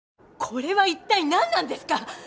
これはいったい何なんですか！？